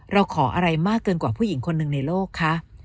เราขออะไรมากเกินกว่าผู้หญิงคนหนึ่งในโลกคะ